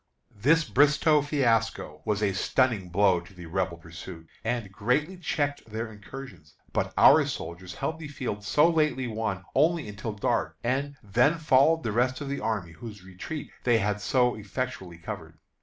This Bristoe fiasco was a stunning blow to the Rebel pursuit, and greatly checked their incursions. But our soldiers held the field so lately won only until dark, and "then followed the rest of the army, whose retreat they had so effectually covered."